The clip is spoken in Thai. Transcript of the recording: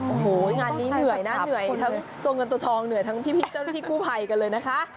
โอ้โหงานนี้เหนื่อยนะเหนื่อยทั้งตัวเงินตัวทองเหนื่อยทั้งพี่เจ้าหน้าที่กู้ภัยกันเลยนะคะ